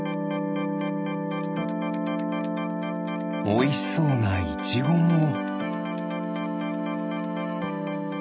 おいしそうなイチゴも。